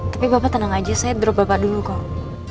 tapi bapak tenang aja saya drop bapak dulu kok